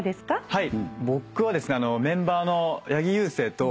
はい。